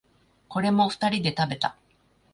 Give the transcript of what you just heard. これも二人で食べた。